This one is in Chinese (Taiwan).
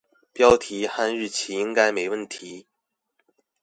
標題和日期應該沒問題